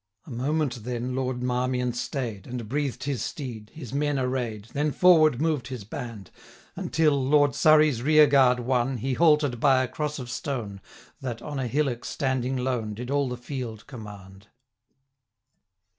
A moment then Lord Marmion staid, And breathed his steed, his men array'd, 675 Then forward moved his band, Until, Lord Surrey's rear guard won, He halted by a Cross of Stone, That, on a hillock standing lone, Did all the field command.